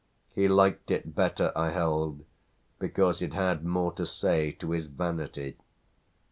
He liked it better, I held, because it had more to say to his vanity.